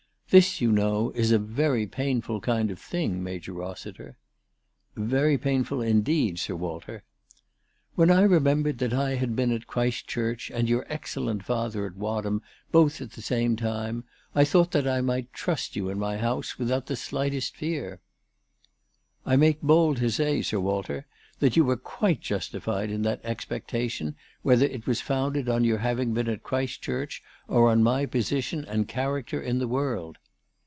" This, you know, is a very painful kind of thing, Major Rossiter." "Very painful indeed, Sir Walter." "When I remembered that I had been at Christ church and your excellent father at Wadham both at the same time, I thought that I might trust you in my house without the slightest fear." " I make bold to say, Sir Walter, that you were quite justified in that expectation, whether it was founded on your having been at Christchurch or on my position and character in the world."